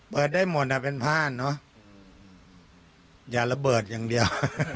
เปิดได้หมดอ่ะเป็นผ้านเนอะอย่าระเบิดอย่างเดียว